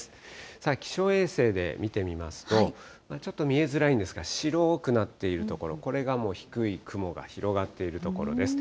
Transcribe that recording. さあ、気象衛星で見てみますと、ちょっと見えづらいんですが、白くなっている所、これがもう低い雲が広がっている所です。